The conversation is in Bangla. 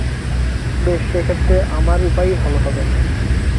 বেশ, সেক্ষেত্রে আমার উপায়ই ভালো হবে।